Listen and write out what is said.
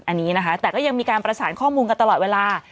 อันนี้นะคะแต่ก็ยังมีการประสานข้อมูลกันตลอดเวลา